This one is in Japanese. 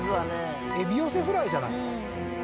エビ寄せフライじゃないの？